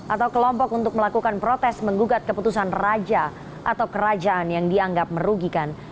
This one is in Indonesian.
atau kelompok untuk melakukan protes menggugat keputusan raja atau kerajaan yang dianggap merugikan